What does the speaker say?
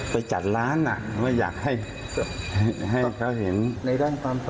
รู้จักกันมานานใช่ไหม